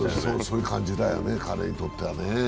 そういう感じだよね、彼にとってはね。